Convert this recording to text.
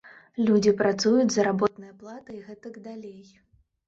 Людзі працуюць, заработная плата, і гэтак далей.